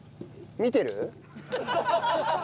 見てる？